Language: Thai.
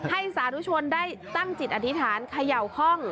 สาธุชนได้ตั้งจิตอธิษฐานเขย่าห้อง